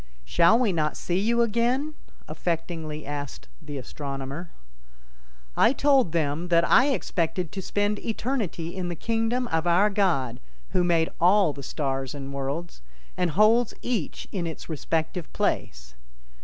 "Shall we not see you again?" affectingly asked the astronomer. I told them that I expected to spend eternity in the kingdom of our God who made all the stars and worlds, and holds each in its respective place.